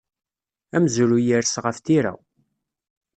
Amezruy ires ɣef tira.